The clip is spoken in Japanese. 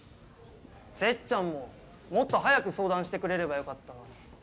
せっちゃんももっと早く相談してくれればよかったのに。